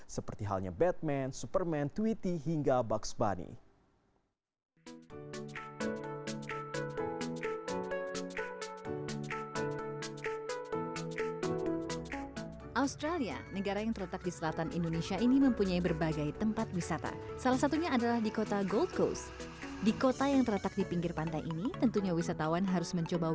seperti halnya batman superman tweety hingga bugs bunny